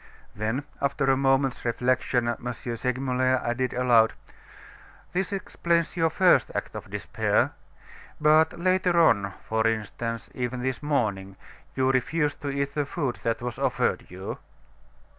Then, after a moment's reflection, M. Segmuller added aloud: "This explains your first act of despair; but later on, for instance, even this morning, you refused to eat the food that was offered you."